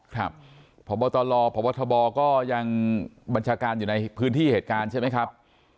ครับพบตลพบทบก็ยังบัญชาการอยู่ในพื้นที่เหตุการณ์ใช่ไหมครับ